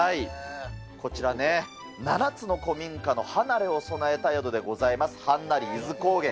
こちらね、７つの古民家の離れを備えた宿でございます、はんなり伊豆高原。